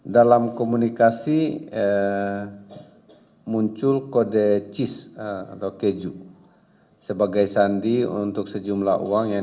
dalam komunikasi muncul kode cheese atau keju sebagai sandi untuk sejumlah uang yang